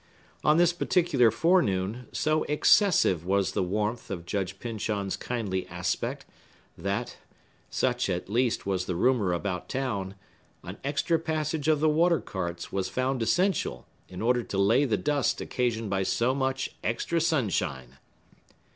On this particular forenoon, so excessive was the warmth of Judge Pyncheon's kindly aspect, that (such, at least, was the rumor about town) an extra passage of the water carts was found essential, in order to lay the dust occasioned by so much extra sunshine!